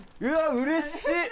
うれしい！